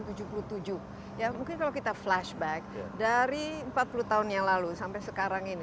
ya mungkin kalau kita flashback dari empat puluh tahun yang lalu sampai sekarang ini